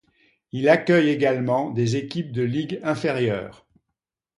Il accueille également des équipes de ligues inférieures.